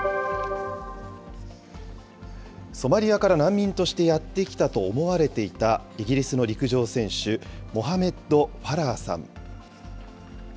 ソマリアから難民としてやって来たと思われていたイギリスの陸上選手、モハメッド・ファラーさん。